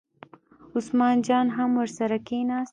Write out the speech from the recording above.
عثمان جان هم ورسره کېناست.